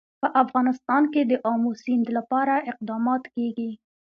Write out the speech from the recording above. په افغانستان کې د آمو سیند لپاره اقدامات کېږي.